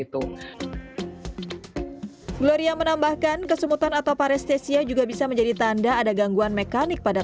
itu gloria menambahkan kesemutan atau parestesia juga bisa menjadi tanda ada gangguan mekanik pada